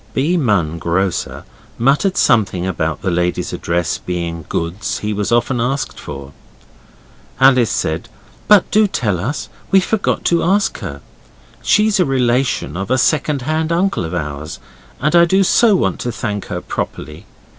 B. Munn, grocer, muttered something about the lady's address being goods he was often asked for. Alice said, 'But do tell us. We forgot to ask her. She's a relation of a second hand uncle of ours, and I do so want to thank her properly.